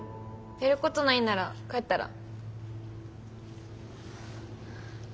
やることないんなら帰ったら？